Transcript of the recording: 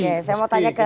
oke saya mau tanya ke